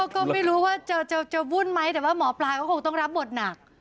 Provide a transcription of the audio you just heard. ก็ไม่รู้ว่าจะวุ่นไหมแต่ว่าหมอปลาก็คงต้องรับบทหนัก